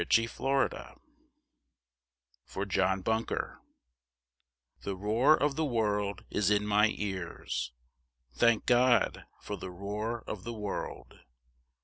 Thanksgiving (For John Bunker) The roar of the world is in my ears. Thank God for the roar of the world!